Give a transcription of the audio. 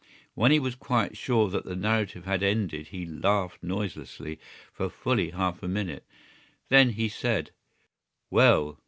When he was quite sure that the narrative had ended he laughed noiselessly for fully half a minute. Then he said: "Well!...